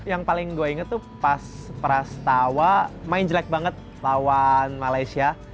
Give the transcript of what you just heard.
yang paling gue inget tuh pas pras tawa main jelek banget lawan malaysia